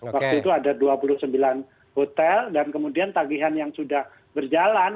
waktu itu ada dua puluh sembilan hotel dan kemudian tagihan yang sudah berjalan